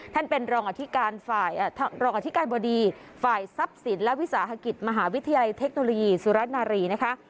ท่านเป็นรองอธิการบดีฝ่ายทรัพย์ศิลป์และวิสาหกิจมหาวิทยาลัยเทคโนโลยีสุรัสนารี